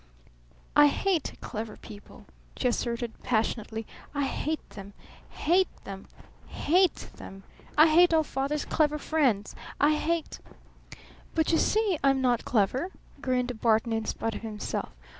"I hate clever people!" she asserted passionately. "I hate them hate them hate them! I hate all Father's clever friends! I hate " "But you see I'm not clever," grinned Barton in spite of himself.